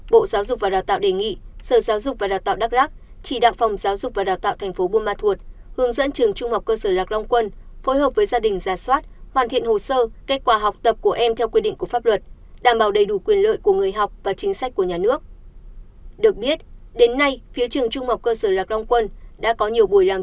bộ giáo dục và đào tạo đề nghị sở giáo dục và đào tạo đắk lắc chỉ đạo phòng giáo dục và đào tạo tp buôn ma thuột hướng dẫn trường trung học cơ sở lạc long quân phối hợp với gia đình giả soát hoàn thiện hồ sơ kết quả học tập của em theo quy định của pháp luật đảm bảo đầy đủ quyền lợi của người học và chính sách của nhà nước